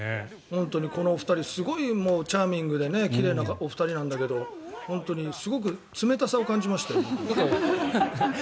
このお二人すごいチャーミングで奇麗なお二人なんだけど本当にすごく冷たさを感じましたよ。